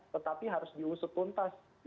tetapi harus diusut tuntas